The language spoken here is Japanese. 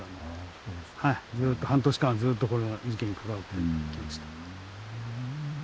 ずっと半年間ずっとこの事件に関わってきました。